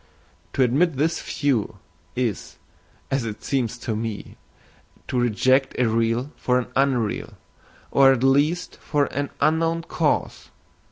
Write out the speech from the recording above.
To admit this view is, as it seems to me, to reject a real for an unreal, or at least for an unknown cause.